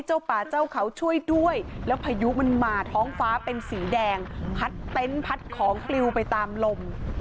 ช่วยด้วยแล้วพายุมันมาท้องฟ้าเป็นสีแดงพัดเต้นพัดของคลิวไปตามลม